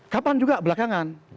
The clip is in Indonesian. kapan juga belakangan